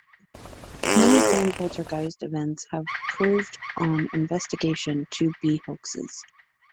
Many claimed poltergeist events have proved on investigation to be hoaxes.